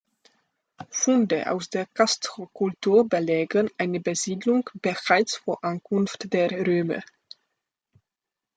Funde aus der Castrokultur belegen eine Besiedlung bereits vor Ankunft der Römer.